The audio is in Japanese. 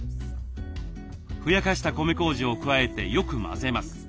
ふやかした米こうじを加えてよく混ぜます。